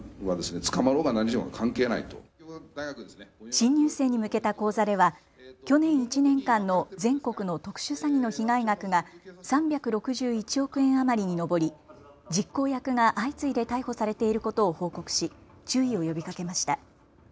新入生に向けた講座では去年１年間の全国の特殊詐欺の被害額が３６１億円余りに上り実行役が相次いで逮捕されていることを報告し注意を呼びかけました。